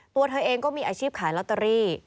ตัวเธอเองก็มีอาชีพขายลอตเตอรี่